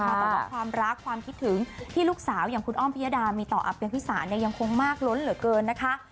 แต่ว่าความรักความคิดถึงที่ลูกสาวอย่างคุณอ้อมพิยดามีต่ออเปียพิสารยังคงมากล้นเหลือเกินนะคะ